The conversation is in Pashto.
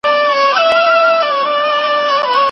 د دغي غونډې ځای معلوم دی؟